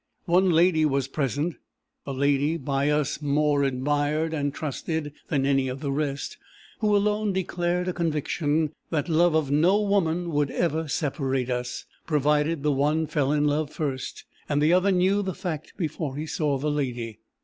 One lady was present a lady by us more admired and trusted than any of the rest who alone declared a conviction that love of no woman would ever separate us, provided the one fell in love first, and the other knew the fact before he saw the lady.